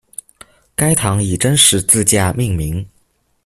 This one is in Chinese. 该堂以真十字架命名。